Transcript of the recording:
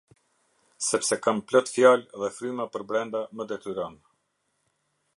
Sepse kam plot fjalë dhe fryma përbrenda më detyron.